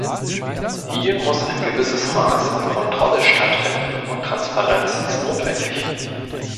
Hier muss ein gewisses Maß an Kontrolle stattfinden und Transparenz ist notwendig.